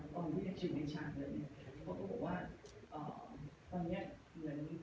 ตอนวิทยาชินในฉากเลยเนี้ยเขาก็บอกว่าอ่าตอนเนี้ยเหมือนกับเก่าอีก